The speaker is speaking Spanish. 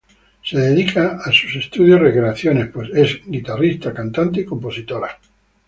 Se dedica a sus estudios y recreaciones, pues es Guitarrista, Cantante y Compositora.